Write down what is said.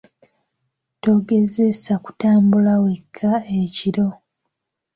Togezesa kutambula weka ekiro.